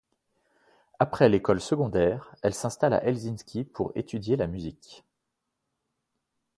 Après l'école secondaire, elle s'installe à Helsinki pour étudier la musique.